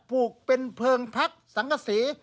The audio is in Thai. ลูกเป็นเพลิงพักสังกษี